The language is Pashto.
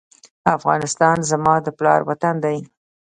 افغانستان زما د پلار وطن دی